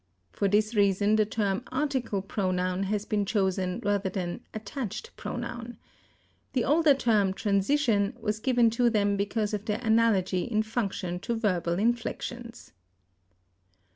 For this reason the term article pronoun has been chosen rather than attached pronoun. The older term, transition, was given to them because of their analogy in function to verbal inflections.